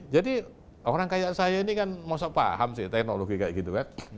jadi orang kayak saya ini kan masa paham sih teknologi kayak gitu kan